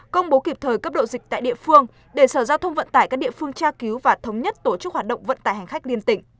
công bố kịp thời cấp độ dịch tại địa phương để sở giao thông vận tải các địa phương tra cứu và thống nhất tổ chức hoạt động vận tải hành khách liên tỉnh